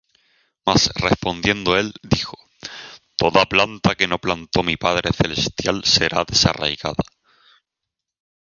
Mas respondiendo él, dijo: Toda planta que no plantó mi Padre celestial, será desarraigada.